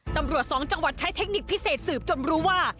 ตำรวจสองจังหวัดใช้เทคนิคพิเศษสืบจนรู้ว่า